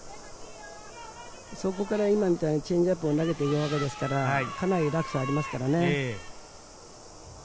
そこから今みたいなチェンジアップを投げているわけですから、かなり落差がありますよね。